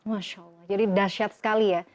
masya allah jadi dasyat sekali ya